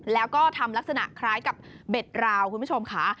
แล้วก็ทำลักษณะคล้ายกับเบ็ดราวคุณผู้ชมค่ะ